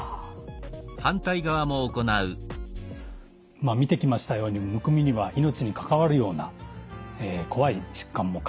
まあ見てきましたようにむくみには命に関わるような怖い疾患も隠れています。